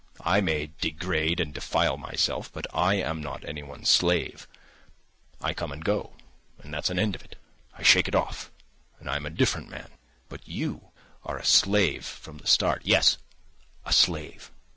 I may degrade and defile myself, but I am not anyone's slave. I come and go, and that's an end of it. I shake it off, and I am a different man. But you are a slave from the start. Yes, a slave!